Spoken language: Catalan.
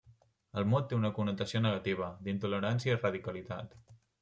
El mot té una connotació negativa, d'intolerància i radicalitat.